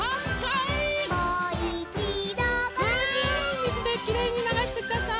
みずできれいにながしてください。